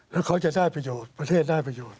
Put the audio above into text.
แล้วเขาจะได้ประโยชน์ประเทศได้ประโยชน